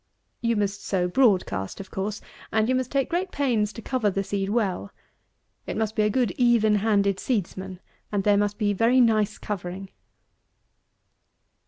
You must sow broad cast, of course, and you must take great pains to cover the seed well. It must be a good even handed seedsman, and there must be very nice covering.